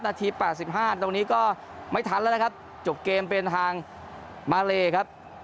นาที๘๕ตรงนี้ก็ไม่ทันแล้วนะครับจบเกมเป็นทางมาเลครับ